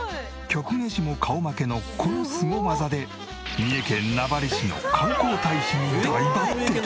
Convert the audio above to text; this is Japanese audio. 曲芸師も顔負けのこのスゴ技で三重県名張市の観光大使に大抜擢。